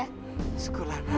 terima kasih lana